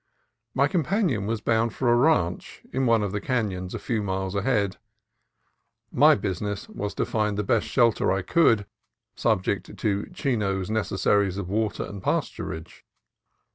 My companion was bound for a ranch in one of the canons a few miles ahead: my business was to find the best shelter I could, subject to Chino's necessi ties of water and pasturage.